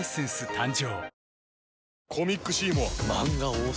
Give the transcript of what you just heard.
誕生